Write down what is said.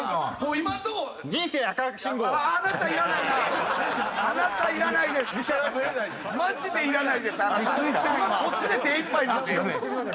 今こっちで手いっぱいなんです。